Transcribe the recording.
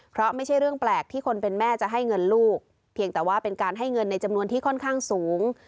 เพราะไม่ใช่เรื่องแปลกที่คนเป็นแม่จะให้เงินลูกเพียงแต่ว่าเป็นการให้เงินในจำนวนที่ค่อนข้างสูง